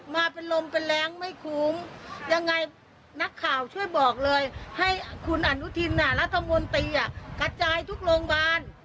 มาเป็นลมเป็นแรงไม่คุ้มยังไงนักข่าวช่วยบอกเลยให้คุณอนุทินรัฐมนตรีกระจายทุกโรงพยาบาล